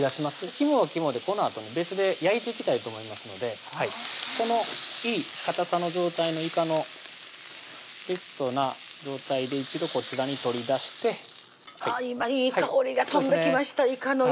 肝は肝でこのあとに別で焼いていきたいと思いますのでこのいいかたさの状態のいかのベストな状態で一度こちらに取り出して今いい香りが飛んできましたいかのいい香りが来ました